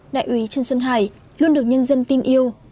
đại úy trần xuân hải luôn được nhân dân tin yêu